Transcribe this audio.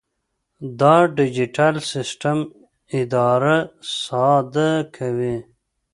دا ډیجیټل سیسټم اداره ساده کوي.